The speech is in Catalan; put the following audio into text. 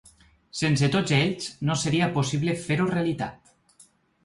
Sense tots ells no seria possible fer-ho realitat.